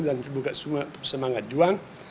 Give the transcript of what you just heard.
dan semangat juang